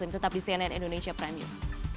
tetap di cnn indonesia prime news